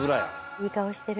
いい顔してる。